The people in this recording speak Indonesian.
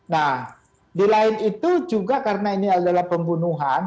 nah di lain itu juga karena ini adalah pembunuhan